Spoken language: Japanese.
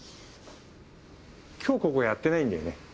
今日ここやってないんだよね？